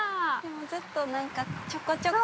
◆ちょっとなんか、ちょこちょこ。